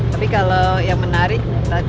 tapi kalau yang menarik